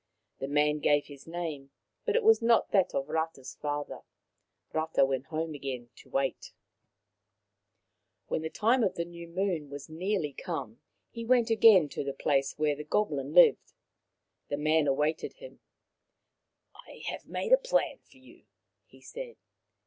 The man gave his name, but it was not that of Rata's father. Rata went home again to wait. RATA AND THE G^OMI. 157 Rata 159 When the time of the new moon was nearly come he went again to the place where the goblin lived. The man awaited him. " I have made a plan for you," he said.